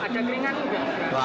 ada keringan juga